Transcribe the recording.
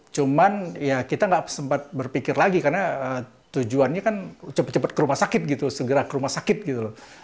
cuman ya kita nggak sempat berpikir lagi karena tujuannya kan cepat cepat ke rumah sakit gitu segera ke rumah sakit gitu loh